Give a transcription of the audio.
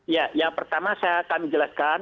ya yang pertama saya akan menjelaskan